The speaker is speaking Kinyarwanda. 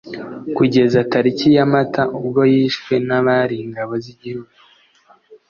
kugeza tariki ya mata ubwo yishwe n'abari ingabo z'igihugu